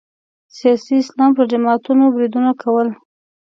سیاسي اسلام پر جماعتونو بریدونه کول